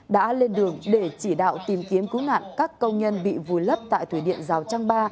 đã lên đường để chỉ đạo tìm kiếm cứu nạn các công nhân bị vùi lấp tại thủy điện rào trăng ba